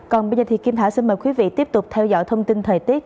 còn bây giờ thì kim thảo xin mời quý vị tiếp tục theo dõi thông tin thời tiết